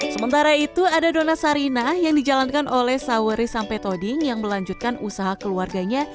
sementara itu ada donat sarina yang dijalankan oleh sawari sampetoding yang melanjutkan usaha keluarganya